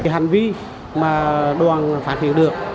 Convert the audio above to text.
hành vi mà đoàn phát hiện được